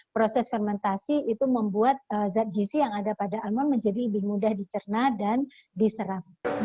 proses fermentasi itu membuat zat gizi yang ada pada almon menjadi lebih mudah dicerna dan diserang